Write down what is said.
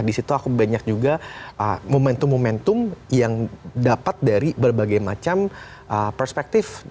di situ aku banyak juga momentum momentum yang dapat dari berbagai macam perspektif